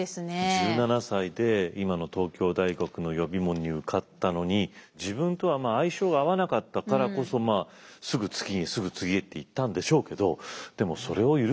１７歳で今の東京大学の予備門に受かったのに自分とは相性が合わなかったからこそすぐ次へすぐ次へって行ったんでしょうけど。